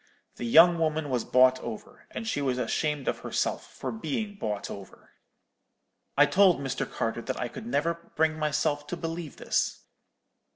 The young woman was bought over, and she was ashamed of herself for being bought over.' "I told Mr. Carter that I could never bring myself to believe this.